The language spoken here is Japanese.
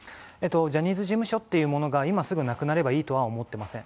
ジャニーズ事務所っていうものが今すぐなくなればいいとは思っていません。